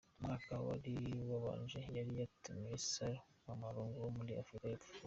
Umwaka wari wabanje yari yatumiye Solly Mahalangu wo muri Afurika y’Epfo.